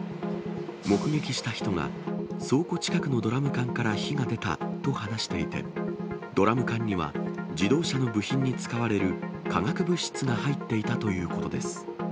目撃した人が、倉庫近くのドラム缶から火が出たと話していて、ドラム缶には自動車の部品に使われる化学物質が入っていたということです。